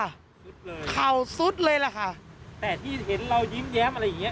สุดเลยเข่าสุดเลยล่ะค่ะแต่ที่เห็นเรายิ้มแย้มอะไรอย่างเงี้